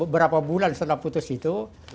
berapa bulan setelah putus itu